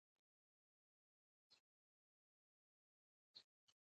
اپین یو ډول نشه یي توکي دي استعمال یې ناروغۍ راوړي.